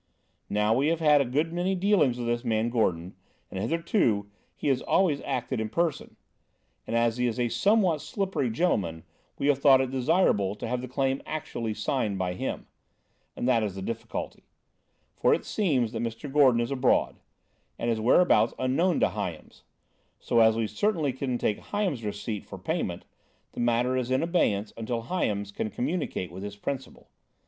Now, we have had a good many dealings with this man Gordon, and hitherto he has always acted in person; and as he is a somewhat slippery gentleman we have thought it desirable to have the claim actually signed by him. And that is the difficulty. For it seems that Mr. Gordon is abroad, and his whereabouts unknown to Hyams; so, as we certainly couldn't take Hyams's receipt for payment, the matter is in abeyance until Hyams can communicate with his principal.